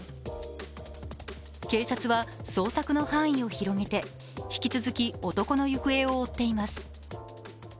警察は捜索の範囲を広げて引き続き男の行方を追っています。